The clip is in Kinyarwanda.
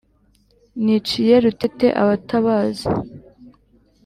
Niciye Rutete abatabazi.